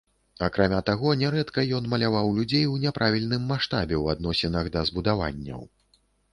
Акрамя таго, нярэдка ён маляваў людзей у няправільным маштабе ў адносінах да збудаванняў.